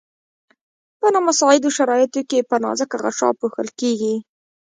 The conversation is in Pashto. په نامساعدو شرایطو کې په نازکه غشا پوښل کیږي.